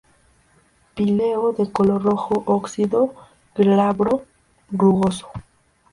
Píleo de color rojo óxido, glabro, rugoso.